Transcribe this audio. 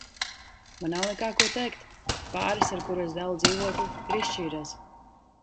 Man nav nekā, ko teikt. Pāris, ar kuru es dalu dzīvokli, ir izšķīries.